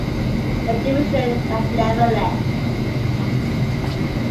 A division that never left.